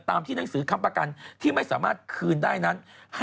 ที่หนังสือค้ำประกันที่ไม่สามารถคืนได้นั้น